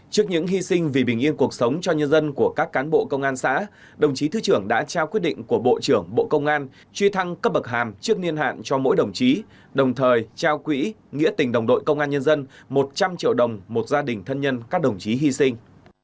trước những hy sinh vì bình yên cuộc sống cho nhân dân của các cán bộ công an xã đồng chí thứ trưởng đã trao quyết định của bộ trưởng bộ công an truy thăng cấp bậc hàm trước niên hạn cho mỗi đồng chí đồng thời trao quỹ nghĩa tình đồng đội công an nhân dân một trăm linh triệu đồng một gia đình thân nhân các đồng chí hy sinh